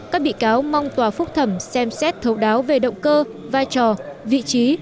các bị cáo mong tòa phúc thẩm xem xét thấu đáo về động cơ vai trò vị trí